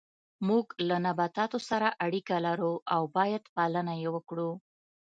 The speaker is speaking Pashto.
موږ له نباتاتو سره اړیکه لرو او باید پالنه یې وکړو